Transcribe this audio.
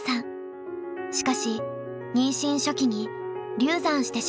しかし妊娠初期に流産してしまいます。